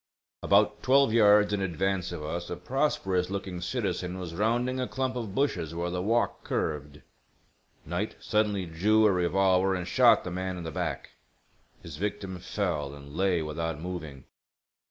About twelve yards in advance of us a prosperous looking citizen was rounding a clump of bushes where the walk curved. Knight suddenly drew a revolver and shot the man in the back. His victim fell and lay without moving.